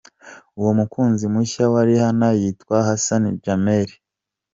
Uwo mukunzi mushya wa Rihanna yitwa Hasani Jameli.